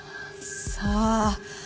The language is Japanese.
さあ。